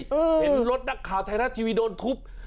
เห็นรถนักข่าวไทยรัฐทีวีโดนทุบ